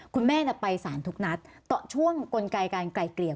คุณแม่ไปสารทุกนัดต่อช่วงกลไกการไกลเกลี่ย